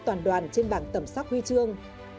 toàn đoàn trên bảng tẩm sắc huy chương